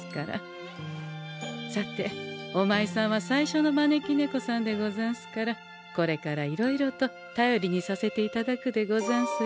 さておまいさんは最初の招き猫さんでござんすからこれからいろいろとたよりにさせていただくでござんすよ。